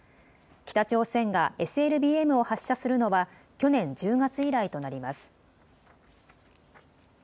北朝鮮がＳＬＢＭを発射するのは去年１０月以来となります。